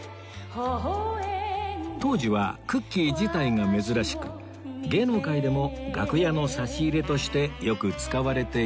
当時はクッキー自体が珍しく芸能界でも楽屋の差し入れとしてよく使われていたそうです